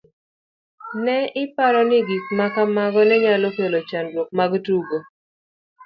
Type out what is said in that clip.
Ne iparo ni gik ma kamago ne nyalo kelo chandruok mag yuto.